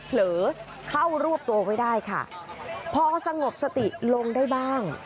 เผลอเข้ารวบตัวไว้ได้ค่ะพอสงบสติลงได้บ้าง